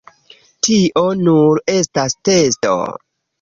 Tio nur estas testo.